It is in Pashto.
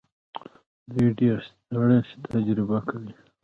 دوی ډېر سټرس تجربه کوي.